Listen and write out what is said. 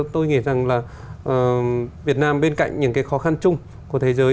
tôi nghĩ rằng là việt nam bên cạnh những cái khó khăn chung của thế giới